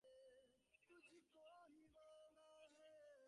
প্রবৃত্তিকে যারা মিথ্যে বলে তারা চোখ উপড়ে ফেলেই দিব্যদৃষ্টি পাবার দুরাশা করে।